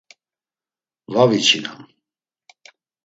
Va viçinam.